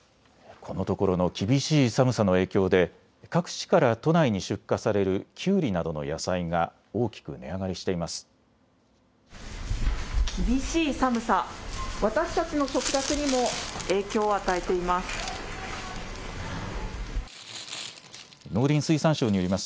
このところの厳しい寒さの影響で各地から都内に出荷されるきゅうりなどの野菜が大きく値上がりしています。